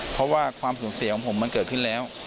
เพราะว่าความสูญเสียของผมมันเกิดขึ้นแล้ว